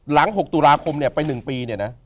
หลัง๖ตุลาคมไป๑ปี